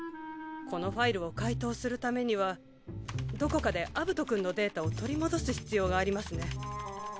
このファイルを解凍するためにはどこかでアブトくんのデータを取り戻す必要がありますね。